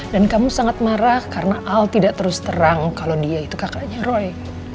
dan kamu sangat marah karena al tidak terus terang kalau dia itu kakaknya roy